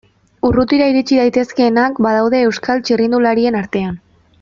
Urrutira iritsi daitezkeenak badaude Euskal txirrindularien artean.